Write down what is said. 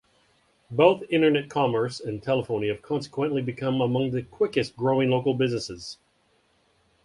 Both internet commerce and telephony have consequently become among the quickest growing local businesses.